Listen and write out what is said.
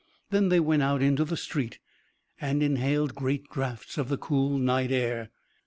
Then they went out into the street, and inhaled great draughts of the cool night air.